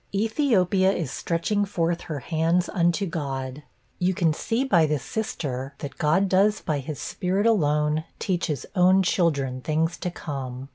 Ethiopia is stretching forth her hands unto God. You can see by this sister, that God does by his Spirit alone teach his own children things to come.